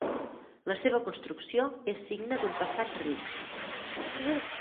La seva construcció és signe d'un passat ric.